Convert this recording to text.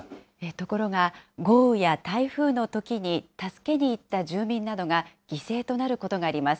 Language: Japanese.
ところが、豪雨や台風のときに、助けに行った住民などが犠牲となることがあります。